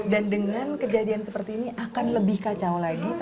dan dengan kejadian seperti ini akan lebih kacau lagi